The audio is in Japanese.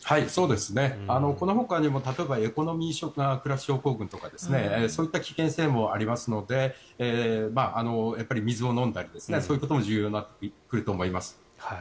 このほかにも例えばエコノミークラス症候群とかそういった危険性もありますのでやっぱり水を飲んだりそういうことも重要になってくると思います。